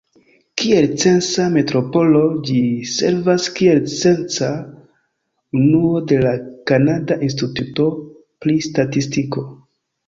Kiel censa metropolo, ĝi servas kiel censa unuo de la Kanada Instituto pri Statistiko.